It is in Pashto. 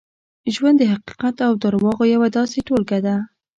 ژوند د حقیقت او درواغو یوه داسې ټولګه ده.